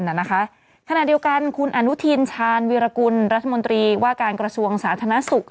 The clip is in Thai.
ขณะเดียวกันคุณอนุทินชาญวิรากุลรัฐมนตรีว่าการกระทรวงสาธารณสุข